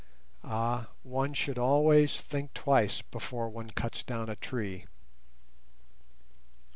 Ah, one should always think twice before one cuts down a tree!